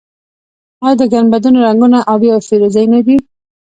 آیا د ګنبدونو رنګونه ابي او فیروزه یي نه دي؟